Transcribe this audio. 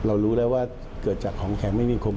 รู้แล้วว่าเกิดจากของแข็งไม่มีคม